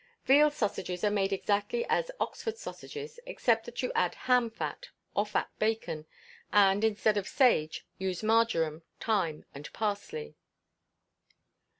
Veal sausages are made exactly as Oxford sausages, except that you add ham fat, or fat bacon; and, instead of sage, use marjoram, thyme, and parsley.